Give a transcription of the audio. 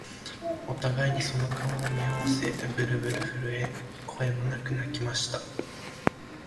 お互いにその顔を見合わせ、ぶるぶる震え、声もなく泣きました